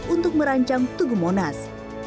untuk merancang tugu monas